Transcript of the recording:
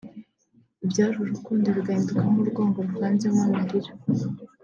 ibyari urukundo bigahinduka urwango ruvanzemo amarira